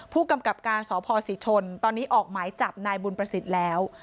พูดก่อนกลับกาลสศิษย์ชนส์ตอนนี้ออกไหมจับนายบุญประสิทธิ์แล้ว